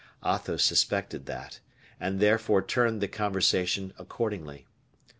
Athos suspected that, and therefore turned the conversation accordingly.